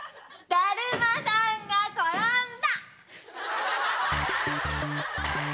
だるまさんが転んだ！